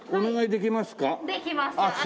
できます。